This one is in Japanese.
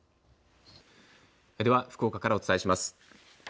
では福岡からお伝えします。